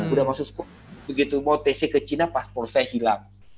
udah masuk begitu mau tc ke china paspor saya hilang